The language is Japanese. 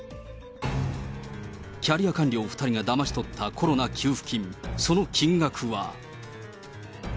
キャリア官僚２人がだまし取ったコロナ給付金、その金額は。